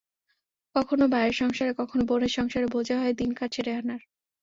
কখনো ভাইয়ের সংসারে, কখনো বোনের সংসারে বোঝা হয়ে দিন কাটছে রেহানার।